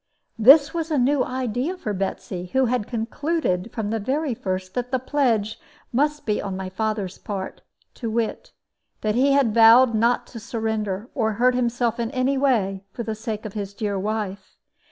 This was a new idea for Betsy, who had concluded from the very first that the pledge must be on my father's part to wit, that he had vowed not to surrender, or hurt himself in any way, for the sake of his dear wife.